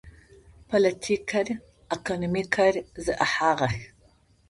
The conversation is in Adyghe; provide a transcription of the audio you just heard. Политикэр, экономикэр зэӏыхьагъэх.